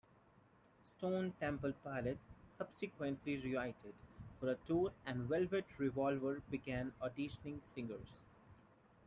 Stone Temple Pilots subsequently reunited for a tour and Velvet Revolver began auditioning singers.